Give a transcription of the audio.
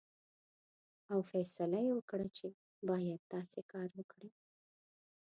او فیصله یې وکړه چې باید داسې کار وکړي.